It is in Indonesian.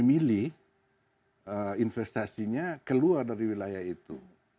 memilih investasinya keluar dari wilayah itu